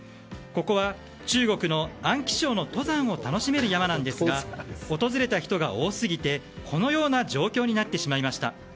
ここは中国の安徽省の登山を楽しめる山なんですが訪れた人が多すぎてこのような状況になってしまいました。